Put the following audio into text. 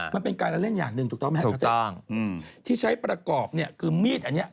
มันเป็นการเล่นอย่างหนึ่งถูกต้องไหมครับที่ใช้ประกอบเนี่ยคือมีดอันนี้